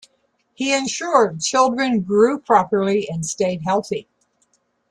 He ensured children grew properly and stayed healthy.